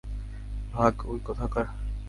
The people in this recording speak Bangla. ভাগ, উই কোথাকার!